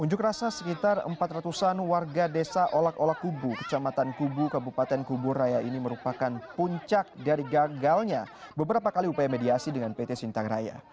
unjuk rasa sekitar empat ratus an warga desa olak olak kubu kecamatan kubu kabupaten kuburaya ini merupakan puncak dari gagalnya beberapa kali upaya mediasi dengan pt sintang raya